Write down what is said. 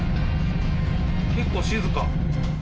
結構静か。